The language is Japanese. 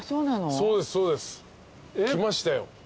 そうですそうです。来ましたよ。